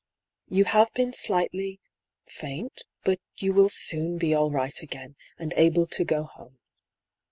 You have been slight ly — faint — but you will soon be all right again, and able to go home."